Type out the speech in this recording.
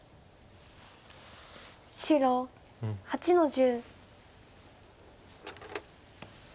白８の十。